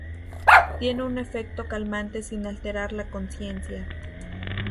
Tiene un efecto calmante sin alterar la conciencia.